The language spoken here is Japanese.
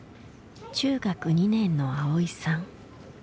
中学２年のあおいさん。